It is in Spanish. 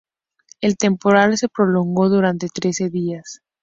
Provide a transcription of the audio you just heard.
El temporal se prolongó durante trece días.